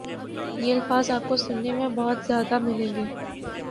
یہ الفاظ آپ کو سنے میں بہت زیادہ ملیں گے